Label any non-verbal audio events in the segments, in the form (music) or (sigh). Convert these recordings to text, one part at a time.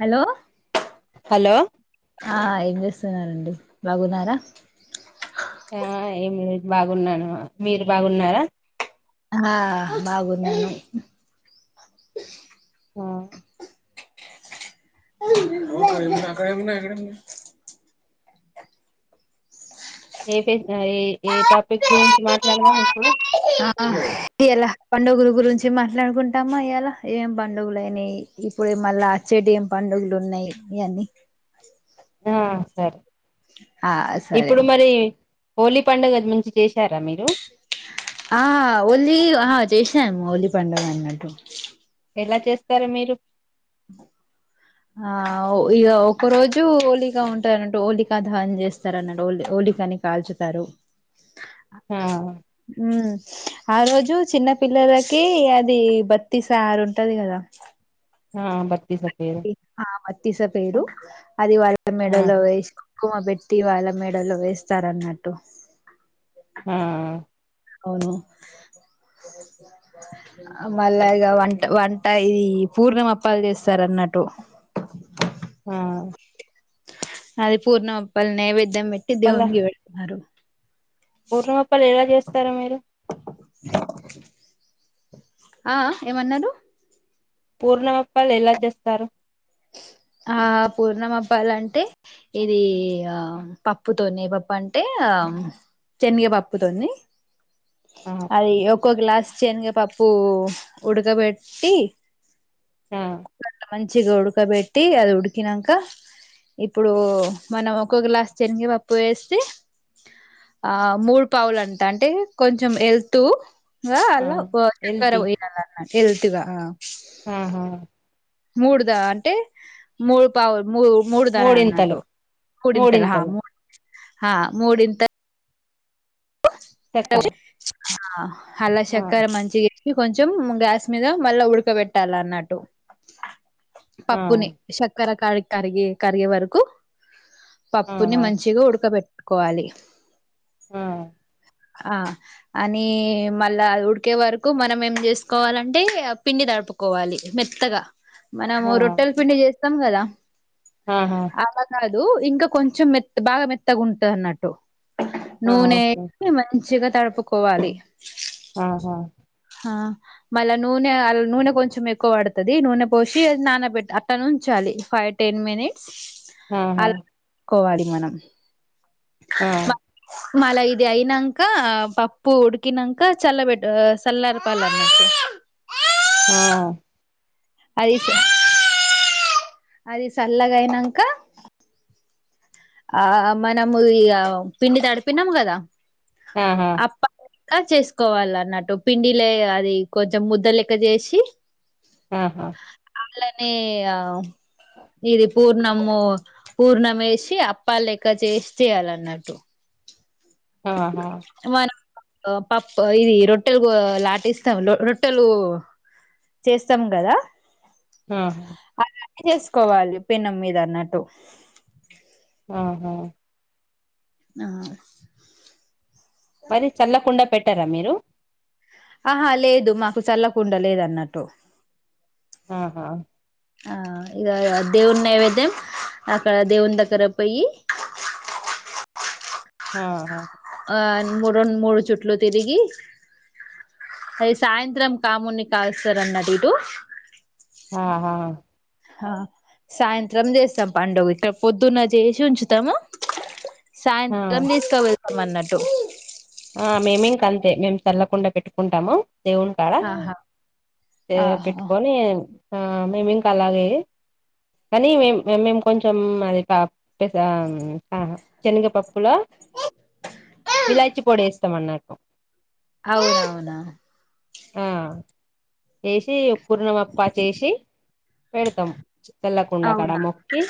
Hello hello ఆ ఏమ్ జేస్ తనారండి బాగున్నారా. ఆ ఏమి బాగున్నాను మీరు బాగున్నారా. ఆ బాగున్నాను. ఆ అ కన్నాక్కడమన్నా ఇక్కడన్నా ఏ ఏ టాపిక్ గురించి మాట్లాడదాం ఇప్పుడు ఆ ఇయాల పండుగలు గురించి మాట్లాడుకుంటామా ఇయాలా ఏం పండుగలు అయినాయి ఇప్పుడు మళ్ళా వచ్చేటి ఏం పండుగలు ఉన్నాయి ఇయన్నీ ఆ సరే ఆ సరే ఇప్పుడు మరి హోలీ పండుగది మంచి జేషారా మీరు. ఆ ఒల్గ్లీగ్ ఆ జేష్నాము ఓలీ పండుగన్నట్టు. ఎల చేస్తారు మీరు. ఆ ఒ ఇగ ఒక్క రోజు హోలిక ఉంటనట్టు హోలికా దహన్ జేస్తారన్నట్టు ఓల్ ఓలికీని కాల్చుతారు. ఆ ఉమ్ ఆ రోజు చిన్న పిల్లలకి అది బత్తి సారు ఉంటది కదా ఆ బ ఆ మత్తీస పేరు అది వాళ్ళ మెడలో ఆహా వేసి కుంకుమ పెట్ టీ వాళ్ళ మెడలో వేస్తారన్నట్టు ఆ మళ్ళగా వంట వంట ఇది పూర్ణమ అప్పాలు చేస్తారు అన్నట్టు ఆ అది పూర్ణమప్పాల్ నైవ్ ద్యమెట్టి పల్ల దేవునికి పెడుతున్నారు తర మీరు ఆ ఏమన్నారు పూర్ణమప్పాలు ఎలా చేస్తారు? ఆ పూర్ణమప్పాల అంటే ఇది ఆ పప్పుతోనే ఏ పప్పు అంటే ఆ శనగ పప్పుతోని ఆ అది ఒక్కో గ్లాస్ శనగ పప్పు ఉడకబెట్టి ఆ మంచి గోడు ఉక్కబెట్టి అది ఉడికినాక ఇప్పుడు మనం ఒక గ్లాస్ శనగపప్పు వేస్తే ఆ మూడు పావులు అంటా అంటే కొంచెం ఎల్తు వ ఆ అలా (unintelligible) ఎల్తి పోయి అన్నా వెల్తిగా ఆ ఆహా మూడుదా అంటే మూడు పావులు మూ మూడు దనం మూడింతలు అన్నటు కూడింతల ఆ మూడింతలు మూ ఆ మూడింత చక్కర ఆ హల్ల ఆ షక్కర్ మంచిగా కొంచెం గ్యాస్ మీద మళ్ళా ఉడకబెట్టాలన్నట్టు ఆ పప్పుని షక్కరా క కరగేకరిగే వరకు ఆ పప్పుని మంచిగా ఉడకబెట్ కోవాలి ఆమ్ ఆ అని మళ్ళా ఉడికే వరకు మనం ఏం చేసుకోవాలంటే పిండి తడుపుకోవాలి మెత్తగా మనము ఆ రొట్టెల పిండి చేస్ మొత్తం కదా ఆహా అ (unintelligible) ఉ ఇంకా కొంచెం మెత్త బాగా మెత్తగా ఉంట అన్నట్టు ఆ నూనె ఓకే మంచిగా తడుపుకోవాలి ఆహా ఆ మళ్ళా నూనె అ నూనె కొంచెం ఎక్కువ పడతది నూనె పోసి నానబెట్టా అట్లాను ఉంచాలి ఫైవ్ టెన్ మినిట్స్ ఆహా అలా కోవాలి మనం ఆ బ మళ్ళా ఇది అయింనాక పప్పు ఉడికినాక చల్ల పెట్ట చల్లరిపాల అన్నట్టు ఆ అయితే అది సల్లగాయి నాంక ఆ మనము ఈ పిండి తడిపినం కదా ఆహా అప్పలెక్క చేసుకోవాలి అన్నట్టు పిండిలే అది కొంచెం ముద్దలెక్క చేసి ఆహా వాళ్ళనే ఇది పూర్ణము పూర్ణం వేసి పాలు లెక్క చేసి చేయాలి అన్నట్టు ఆహా పప్పు ఇది రొట్టెలు లాటిస్తాం రొట్టెలు చేస్తాం కదా ఆ అలానే చేసుకోవాలి పిన్నం మీద అన్నట్టు ఆహా ఆ మరి చల్ల కుండ పెట్టారా మీరు ఆహా లేదు మాకు చల్లకుండా లేద అన్నట్టు ఆహా ఆ ఇద దేవుని నైవేద్యం అక్కడ దేవుని దగ్గర పోయి ఆహా ఆ మూడున్ మూడు చుట్లు తిరిగి అవి సాయంత్రం కామున్ని కాస్తారన్నట్టు ఆహా ఆ సాయంత్రం చేస్తాం పండుగ ఇక్కడ పొద్దున్న చేసి ఉంచుతము ఆ సాయంత్రం తీస్కాపో అన్నట్టు ఆ మేమింక అంతే మేం చల్లకుండ పెట్టుకుంటాము దేవుని కాడ ఆహా దె ఆహా పెట్టుకొని ఆ మేము ఇంకా అలాగే కానీ మే మేము కొంచెం అది శనగపప్పులా ఇలాచి పోడి వేస్తాం అన్నట్టు అవునవునా ఆ వేసి కుర్ణం అప్పా చేసి పెడతాం తెల్లకుండా కాడ అవునా మొక్కి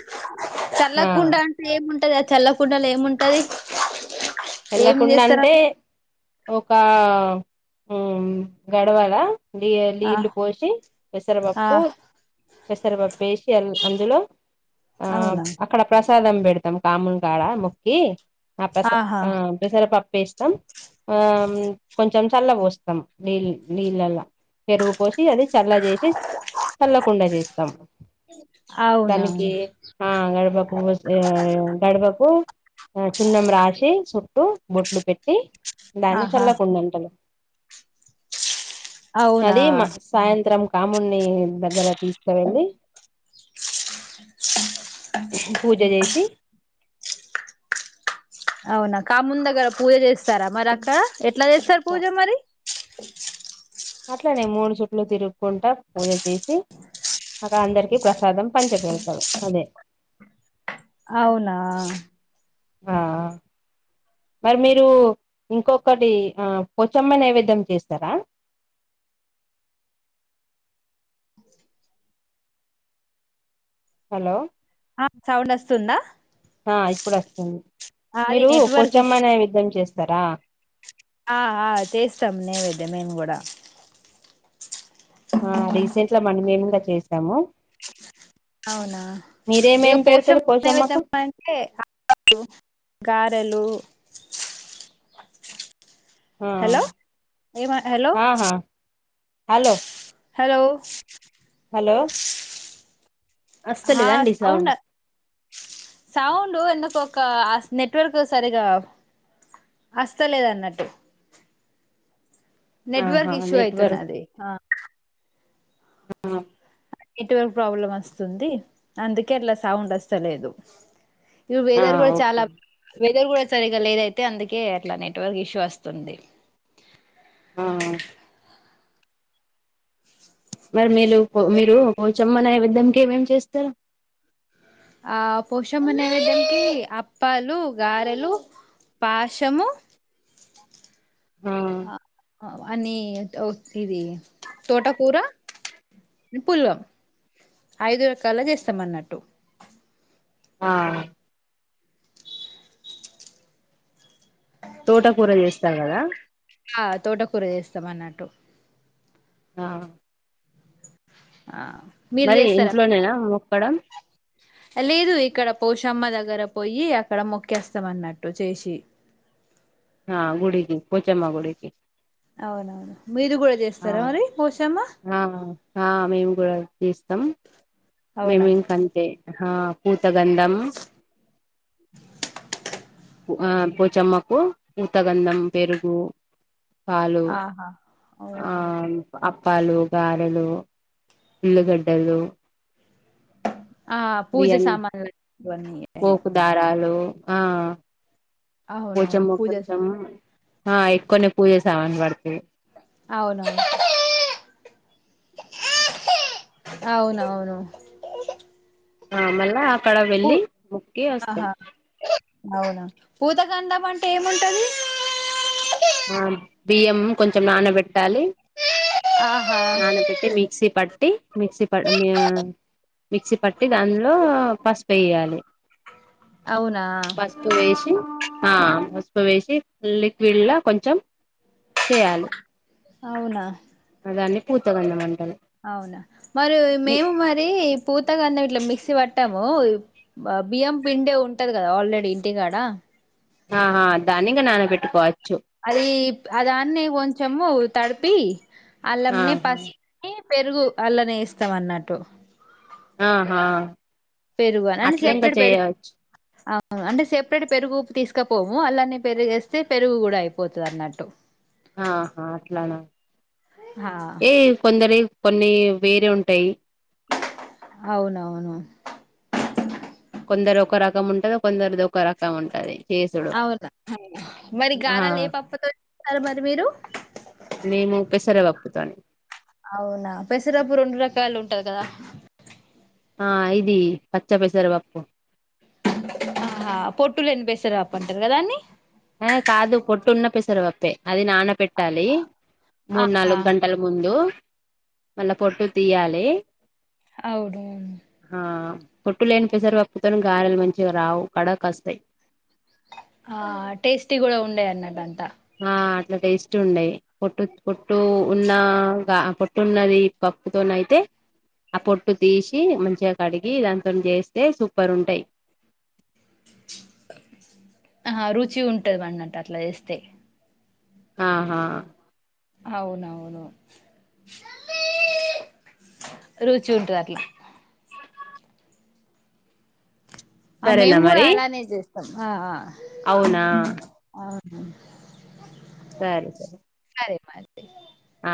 ఆ చల్లకుండా అంటే ఏముంటది ఆ చల్లకుండల ఏముంటది ఏం చల్లకుండ చేస్తార అంటే ఒక మ్ గడవలా నీ ఆ నీళ్లు పోసి ఆ పెసరపప్పు పెసర్పప్పు ఏసి అందులో ఆ అవునా అక్కడ ప్ర ప్రసాదం పెడతాం కామున్ కాడ మొక్కి ఆ ప్రసా ఆహా ఆ పెసర్ పప్ ఎస్తాం ఆ కొంచం చల్ల పోస్తాం నీల్ నీళ్ళల్ల పెరుగు పోసి అది చల్ల సే సి చల్లకుండ చేస్తాం దానికి అవునవును ఆ గడకు గడకు ఆ చున్నం రాశి చుట్టూ బొట్లు పెట్టి దాన్ని ఆహా చల్లకుండ అంటలు అవునా అది మా సాయంత్రం కామున్ని దగ్గర తీసుకవెళ్ళి ఉహ్మ్ పూజ చేసి అవునా కామున్ దగ్గర పూజ చేస్తారా మరి అక్కడ ఎట్ ఇట్ల చేస్తారు పూజ మరి అట్లనే మూడు చుట్లు తిరుగుకుంటా పూజ చేసి, అక్కడ అందరికి ప్రసాదం పంచి పెడతారు. అదే అవునా ఆహ మరి మీరు ఇంకొకటి, పోచమ్మ నైవిధ్యం చేస్తారా హలో ఆ సౌండ్ వస్తుందా ఆ ఇప్పుడు వస్తుంది. అది మీరు నెట్వర్క్ కొచమ్మా ఇష్యూ నైవిధ్యం చేస్తారా రా చేస్తాము అవునా ఇక పోషం నైవిధ్యం పోషమ్మకు అంటే (unintelligible) గారెలు ఆ హలో ఏమ హలో ఆహా హలో హలో హలో అస్తలేదా అండి సౌండ్ సౌండ్ ఎందుకు ఒక హా నెట్వర్క్ సరిగా వస్తలేదన్నట్టు ఆహా నెట్వర్క్ ఇష్యూ అయితున్నది హ్ అవునా నెట్వర్క్ ప్రాబ్లం వస్తుంది, అందుకే అట్లా సౌండ్ వస్తలేదు. ఇవ్ ఆ వెదర్ కూడా చాలా ఓకే వెదర్ కూడ సరిగా లేదు అయితే, అందుకే అట్లా నెట్వర్క్ ఇష్యూ వస్తుంది. ఆ మరి మీరు పో మీరు పోచమ్మ నైవేద్యం కి ఏం ఏం చేస్తారు ఆ పోషమ్మ నైవేద్యంకి అప్పాలు, గారెలు, పాశము ఆ తోటకూర, పులగం ఐదు రకాల చేస్తాం అన్నట్టు ఆ తోటకూర చేస్తార్ కదా ఆ తోటకూర చేస్తాం అన్నట్టు ఆ హా మరి ఇంట్లోనేనా పడం లేదు ఇక్కడ పోషమ్మ దగ్గర పోయి అక్కడ మొక్కేస్తామన్నట్టు చేసి గుడికి కొచమ్మా గుడికి అవునవును మీరు కూడా ఆ చేస్తారా మరి పోసామా ఆ ఆ మేము కూడా తీస్తాం అవునా మేమింక అంతే పూతగంధం ఆ పోచమ్మకు ఊతగంధం పెరుగు పాలు ఆహా ఆ ఓహా పప్పాలు గారెలు ఉల్లిగడ్డలు ఆ పూజ బియ్యం సామాన్యి పోపు దారాలు ఆ కొంచము పూజ కొంచెము ఎక్కువనే పూజసావాం తే అవునవును అవునవును ఆ మళ అక్కడ పూ వెళ్ళి ముకి వస్తాం ఆహా అవునా ఊతగంధం అంటే ఏముంటది ఆ బియ్యం కొంచెం న పెట్ పెట్టాలి ఆహా నానబెట్టి మిక్సీ పట్టి మిక్సీ మిక్సీ పట్టి దానిలో పసుపు వేయాలి అవునా పసుపు వేసి ఆ ఉసుప వేశిలిక్విడ్లా కొంచెం చేయాలి అవునా దన్ని పూతగంధంటడి అవునా మరి మేము మరి పూతగాన్నా ఇట్లా మిక్స్ పట్టాము బియ్యం పిండే ఉంటది కదా ఆల్రెడీ ఇంటికాడ ఆహా దానింగా నాన పెట్టుకోవచ్చు అది అ దాన్ని కొంచము తడిపి అలమనే ఆహా పస్ పెరుగు అల్లనే ఇస్తాం అన్నట్టు ఆహా పెరువానా అట్లా ఇంకా సపరేట్ పెరుగు చేయవచ్చు అంటే సెపరేట్ పెరుగు తీసుకపోము అలాన్న పెరిగేస్తే పెరుగు కూడా అయిపోతుంది అన్నట్టు ఆహా అట్లానా హా ఏ కొందరి కొన్ని వేరే ఉంటాయి అవును అవును కొందరు ఒక రకం ఉంటది కొందరిది ఒక రకం ఉంటుది చేసుడు అవునా మరి ఆ గారాలు ఏ పప్పుతో చేస్తారు మరి మీరు మేము ఒక్కేసర ఒప్పుతోని, అవునా పెసరపు రెండు రకాలు ఉంటది కదా ఆ ఇది పచ్చ పెసర పప్పు ఆహహ పొట్టు లేని పెసరపప్పు అంటారు కదా దాన్ని హేయ్ కాదు పొట్టు ఉన్న పెసరపప్పె అది నాన్న పెట్టి పెట్టాలి మూడు ఆహా నాలుగు గంటల ముందు మళ్ళా పొట్టు తీయాలి అవునవును ఆ పొట్టు లేని పెసర్ పప్పుతోని గారెలు మంచిగా రావు కడా కా వస్తాయి ఆ టేస్టీ కూడా ఉండే అన్నదంతా ఆ అట్లా టేస్ట్ ఉండయి పొట్టు పొట్టు ఉన్నగా ఆ పొట్టు ఉన్నది పప్పుతోనయితే ఆ పొట్టు తీసి మంచిగా కడిగి దానితోని చేస్తే సూపర్ ఉంటాయ్ ఆహ రుచి ఉంటది మన్నట్టు అట్లా చేస్తే ఆహా అవునవును రుచి ఉంటది అట్లా ఆ సరేనా మేము కూడా మరి అలానే చేస్ ఆ ఆ అవునా ఆ సరే సరే సరే మరి ఆ